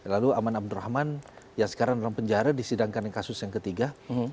lalu aman abdurrahman yang sekarang dalam penjara disidangkan kasus yang ketiga